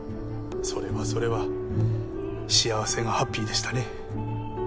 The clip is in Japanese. それはそれは幸せがハッピーでしたね。